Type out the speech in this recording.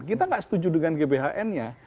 kita nggak setuju dengan gbhn nya